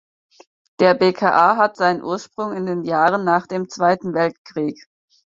Der bka hat seinen Ursprung in den Jahren nach dem Zweiten Weltkrieg.